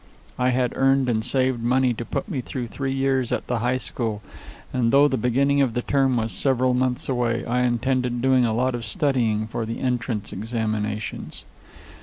I had earned and saved money to put me through three years at the high school, and though the beginning of the term was several months away, I intended doing a lot of studying for the entrance examinations.